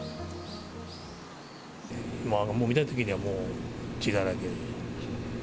見たときにはもう、血だらけで。